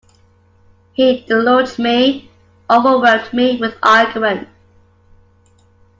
He deluged me, overwhelmed me with argument.